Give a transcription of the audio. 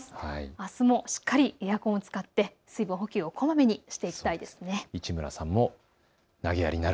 あすもしっかりエアコンを使って水分補給をこまめにしていきたいですね。